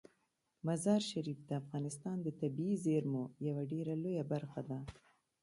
مزارشریف د افغانستان د طبیعي زیرمو یوه ډیره لویه برخه ده.